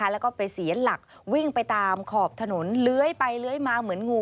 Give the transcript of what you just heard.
แล้วก็ไปเสียหลักวิ่งไปตามขอบถนนเลื้อยไปเลื้อยมาเหมือนงู